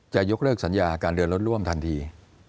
จะยกเลิกสัญญาการเดินรถร่วมทันที